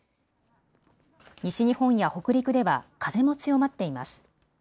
西日本や北陸では風も強まっています。